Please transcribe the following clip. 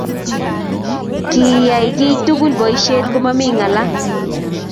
Kiyai kiy tugul boisiet, komami ngala